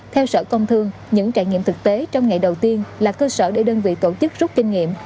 theo sở công thương những trải nghiệm thực tế trong ngày đầu tiên là cơ sở để đơn vị tổ chức rút kinh nghiệm